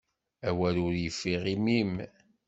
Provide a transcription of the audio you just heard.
Awal ur yeffiɣ imi-m.